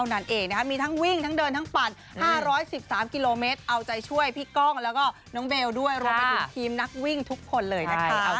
น้องเบลด้วยรวมไปถึงทีมนักวิ่งทุกคนเลยนะคะ